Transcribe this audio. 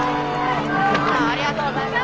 ありがとうございます！